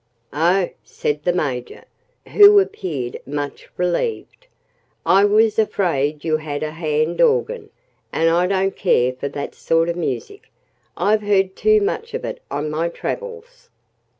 "Oh!" said the Major, who appeared much relieved. "I was afraid you had a hand organ. And I don't care for that sort of music. I've heard too much of it on my travels."